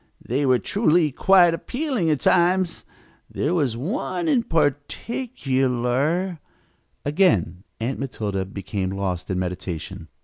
They were truly quite appealing at times. There was one in particular " Again Aunt Matilda became lost in meditation.